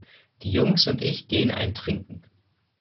Die Jungs und ich gehen einen trinken.